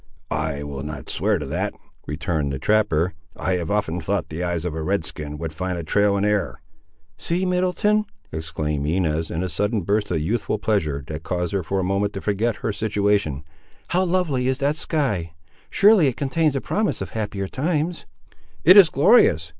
"I will not swear to that," returned the trapper; "I have often thought the eyes of a Red skin would find a trail in air." "See, Middleton," exclaimed Inez, in a sudden burst of youthful pleasure, that caused her for a moment to forget her situation, "how lovely is that sky; surely it contains a promise of happier times!" "It is glorious!"